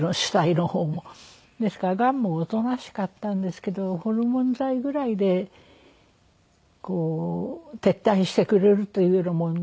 ですからがんもおとなしかったんですけどホルモン剤ぐらいでこう撤退してくれるというようなものでもなくて。